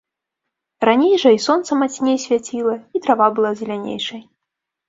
Раней жа і сонца мацней свяціла, і трава была зелянейшай.